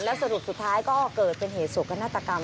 สรุปสุดท้ายก็เกิดเป็นเหตุโศกนาฏกรรม